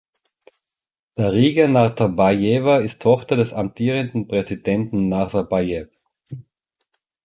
Dariga Nazarbajewa ist Tochter des amtierenden Präsidenten Nasarbajew.